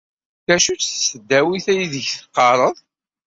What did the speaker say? D acu-tt tesdawit aydeg teqqareḍ?